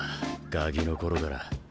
ガキの頃から。